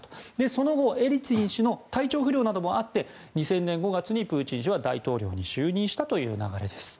その後、エリツィン氏の体調不良などもあって２０００年５月にプーチン氏は大統領に就任したという流れです。